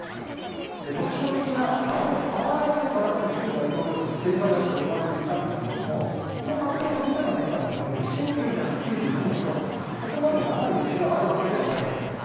特徴的な青い瓦屋根から旧大統領府、青瓦台と呼ばれていたんですが建物自体ができたのは１９９１年とそこまで長い歴史があるわけではないんです。